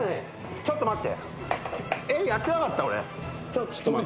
ちょっと待って。